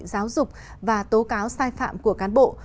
giáo dục và tố cáo sai phạm của cán bộ